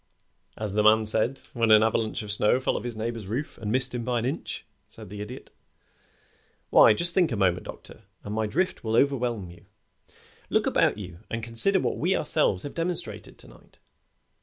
"As the man said when an avalanche of snow fell off his neighbor's roof and missed him by an inch," said the Idiot. "Why, just think a moment, Doctor, and my drift will overwhelm you. Look about you and consider what we have ourselves demonstrated to night.